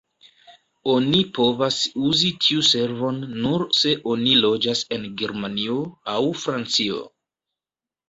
Oni povas uzi tiu servon nur se oni loĝas en Germanio aŭ Francio.